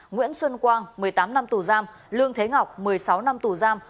nguyễn xuân quang một mươi tám năm tù giam lương thế ngọc một mươi sáu năm tù giam